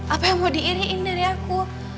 apa yang mau diiriin dari aku